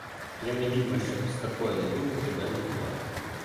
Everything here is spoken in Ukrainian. Я не відьма, щоб з такої недуги тебе лікувати.